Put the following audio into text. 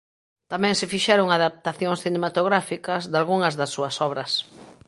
Tamén se fixeron adaptacións cinematográficas dalgunhas das súas obras.